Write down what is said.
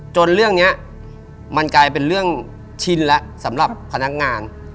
เรื่องนี้มันกลายเป็นเรื่องชินแล้วสำหรับพนักงาน